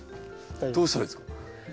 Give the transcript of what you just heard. どうしたらいいですか？